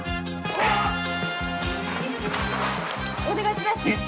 お願いします。